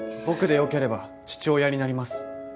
僕でよければ父親になります。